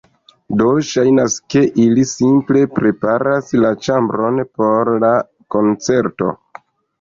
Do, ŝajnas, ke ili simple preparas la ĉambron por la koncerto